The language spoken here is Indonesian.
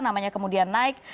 namanya kemudian naik